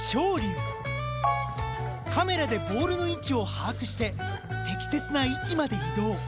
カメラでボールの位置を把握して適切な位置まで移動。